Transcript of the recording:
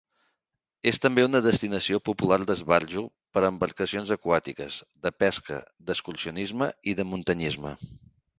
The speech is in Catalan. És també una destinació popular d'esbarjo per a embarcacions aquàtiques, de pesca, d'excursionisme i de muntanyisme.